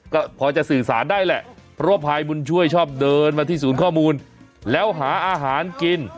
ก็พอจะสื่อสารได้แหละเพราะว่าพายบุญช่วยชอบเดินมาที่ศูนย์ข้อมูลแล้วหาอาหารกิน